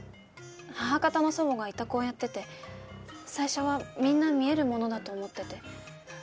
母方の祖母がいたこをやってて最初はみんな見えるものだと思ってて。